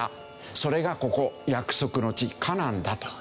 それがここ約束の地カナンだと。